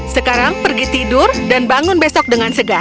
sekarang pergi tidur dan bangun besok dengan segar